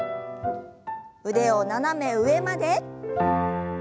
腕を斜め上まで。